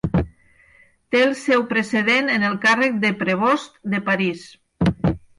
Té el seu precedent en el càrrec de prebost de París.